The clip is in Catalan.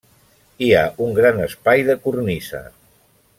Hi ha un gran espai de cornisa.